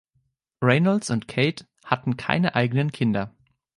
Reynolds und Kate hatten keine eigenen Kinder.